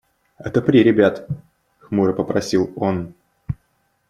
– Отопри ребят, – хмуро попросил он.